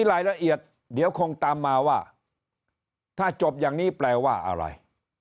อาทิตย์นี้